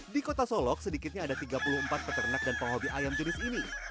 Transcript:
di kota solok sedikitnya ada tiga puluh empat peternak dan penghobi ayam jenis ini